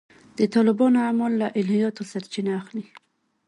د طالبانو اعمال له الهیاتو سرچینه اخلي.